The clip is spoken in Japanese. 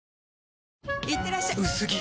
いってらっしゃ薄着！